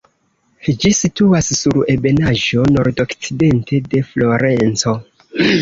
Ĝi situas sur ebenaĵo nordokcidente de Florenco.